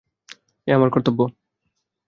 এ আমার কর্তব্য।